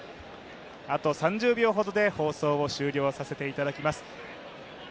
あと３０秒ほどで放送を終了させていただきます。